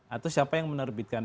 atau siapa yang menerbitkan